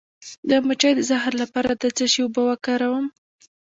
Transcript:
د مچۍ د زهر لپاره د څه شي اوبه وکاروم؟